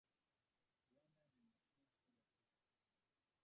Bwana ni mkuu kila siku